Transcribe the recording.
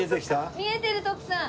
見えてる徳さん！